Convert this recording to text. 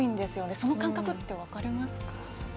その感覚って分かりますか？